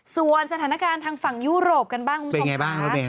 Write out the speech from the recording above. ส่วนสถานการณ์ทางฝั่งยุโรปกันบ้างคุณผู้ชมค่ะ